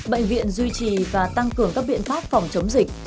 bệnh viện duy trì và tăng cường các biện pháp phòng chống dịch